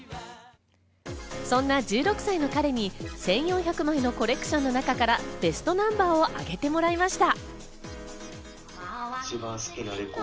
そんな１６歳の彼に１４００枚のコレクションの中からベストナンバーをあげてもらいました。